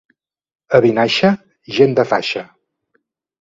A Vinaixa, gent de faixa.